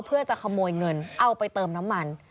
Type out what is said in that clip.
เพื่อจะขโมยเงินเอาไปเติมน้ำมัน